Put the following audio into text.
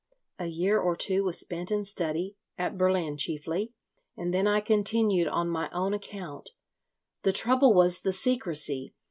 A year or two was spent in study, at Berlin chiefly, and then I continued on my own account. The trouble was the secrecy.